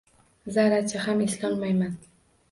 Zarracha ham eslolmayman.